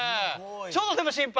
ちょっとでも心配。